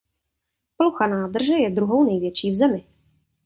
Plocha nádrže je druhou největší v zemi.